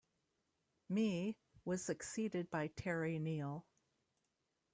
Mee was succeeded by Terry Neill.